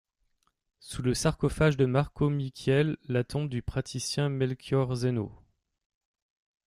Sous le sarcophage de Marco Michiel la tombe du praticien Melchiorre Zeno.